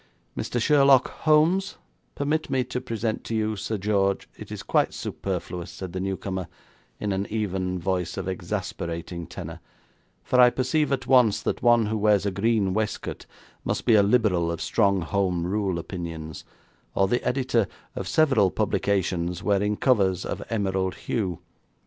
'Mr. Sherlock Holmes, permit me to present to you Sir George ' 'It is quite superfluous,' said the newcomer, in an even voice of exasperating tenor, 'for I perceive at once that one who wears a green waistcoat must be a Liberal of strong Home Rule opinions, or the editor of several publications wearing covers of emerald hue.